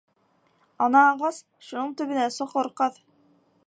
Ана ағас, шуның төбөнә соҡор ҡаҙ.